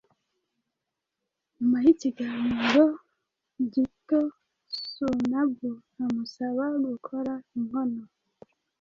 Nyuma yikiganiro gitosunabu amusaba gukora inkono